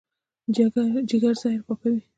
جګر زهر پاکوي.